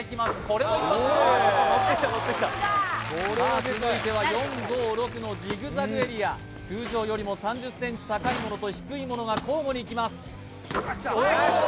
これも１発さあ続いては４５６のジグザグエリア通常よりも３０ｃｍ高いものと低いものが交互にきますおおっと！